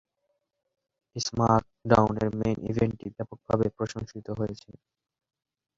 স্ম্যাকডাউনের main ইভেন্টটি ব্যাপকভাবে প্রশংসিত হয়েছে।